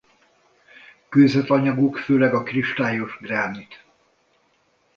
Kőzetanyaguk főleg a kristályos gránit.